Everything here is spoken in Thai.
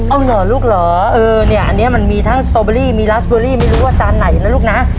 เอาเหรอลูกเหรอเออเนี่ยอันนี้มันมีทั้งสตอเบอรี่มีลาสเบอรี่ไม่รู้ว่าจานไหนนะลูกนะ